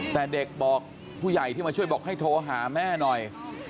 แต่เด็กบอกผู้ใหญ่ที่มาช่วยบอกให้โทรหาแม่หน่อย